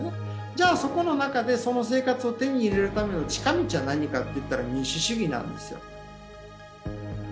じゃあそこの中でその生活を手に入れるための近道は何かといったら民主主義なんですよ。